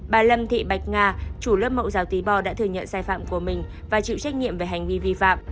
bà lâm thị bạch nga chủ lớp mẫu giáo tí bo đã thừa nhận sai phạm của mình và chịu trách nhiệm về hành vi vi phạm